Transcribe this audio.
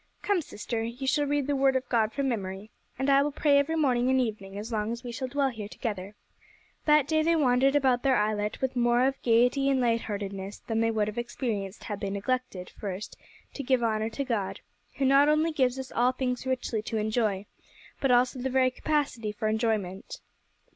Come, sister, you shall read the Word of God from memory, and I will pray every morning and evening as long as we shall dwell here together." That day they wandered about their islet with more of gaiety and light heartedness than they would have experienced had they neglected, first, to give honour to God, who not only gives us all things richly to enjoy, but also the very capacity for enjoyment.